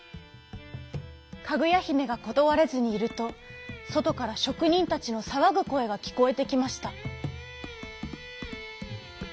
かぐやひめがことわれずにいるとそとからしょくにんたちのさわぐこえがきこえてきました。